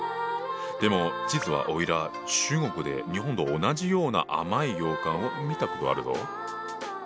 でも実はおいら中国で日本と同じような甘い羊羹を見たことあるぞ。